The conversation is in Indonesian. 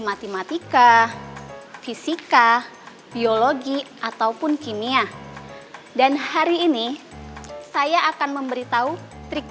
matematika fisika biologi ataupun kimia dan hari ini saya akan memberitahu trik